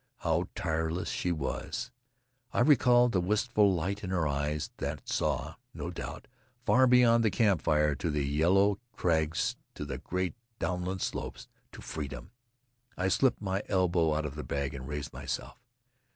How tireless she was. I recalled the wistful light in her eyes that saw, no doubt, far beyond the campfire to the yellow crags, to the great downward slopes, to freedom. I slipped my elbow out of the bag and raised myself.